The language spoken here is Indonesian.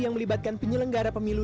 yang melibatkan penyelenggara pemilu